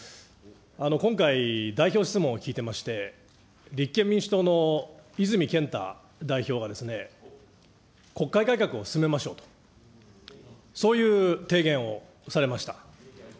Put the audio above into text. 今回、代表質問を聞いてまして、立憲民主党の泉健太代表がですね、国会改革を進めましょうと、そういう提言をされました。